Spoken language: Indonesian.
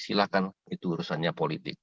silahkan itu urusannya politik